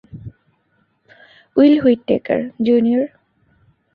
Will Whitaker, junior!